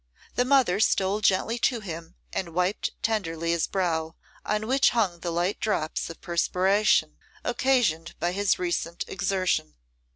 The mother stole gently to him, and wiped tenderly his brow, on which hung the light drops of perspiration, occasioned by his recent exertion.